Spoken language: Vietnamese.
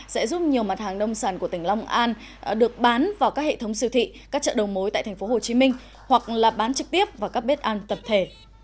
sẽ giúp nhiều mặt hàng nông sản của tỉnh long an được bán vào các hệ thống siêu thị các chợ đầu mối tại tp hcm hoặc là bán trực tiếp vào các bếp ăn tập thể